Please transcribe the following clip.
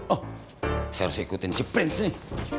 oh saya harus ikutin si prince nih